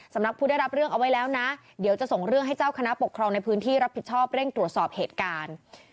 สำหรับผู้ได้รับเรื่องเอาไว้แล้วนะเดี๋ยวจะส่งเรื่องให้เจ้าคณะปกครองในพื้นที่รับผิดชอบเร่งตรวจสอบเหตุการณ์